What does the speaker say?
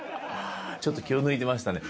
ちょっと、気を抜いてましたね。